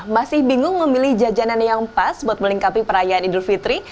masih bingung memilih jajanan yang pas buat melengkapi perayaan idul fitri